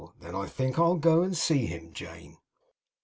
Then I think I'll go and see him, Jane.